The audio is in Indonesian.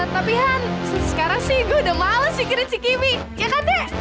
tapi han sekarang sih gue udah males pikirin si kimi ya kan de